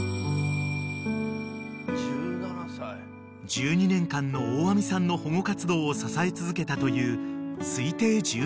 ［１２年間の大網さんの保護活動を支え続けたという］